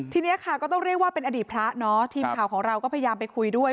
ทีนี้ค่ะก็ต้องเรียกว่าเป็นอดีตพระเนอะทีมข่าวของเราก็พยายามไปคุยด้วย